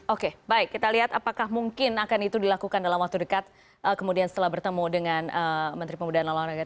oke baik kita lihat apakah mungkin akan itu dilakukan dalam waktu dekat kemudian setelah bertemu dengan menteri pemuda dan olahraga